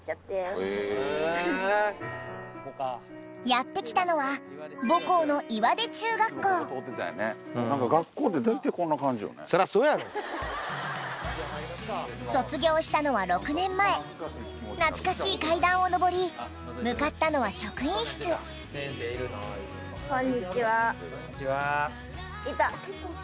やって来たのは母校の卒業したのは６年前懐かしい階段を上り向かったのは職員室どこ？